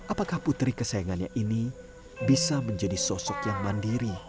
apakah putri kesayangannya ini bisa menjadi sosok yang mandiri